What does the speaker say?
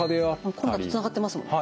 コロナとつながってますもんね。